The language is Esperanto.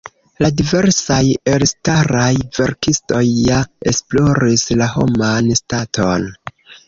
La diversaj elstaraj verkistoj ja esploris la homan staton.